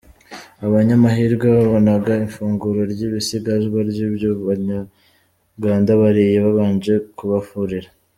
Abanyamahirwe babonaga ifunguro ry’ibisigazwa ry’ibyo Abanya-Uganda bariye, babanje kubafurira.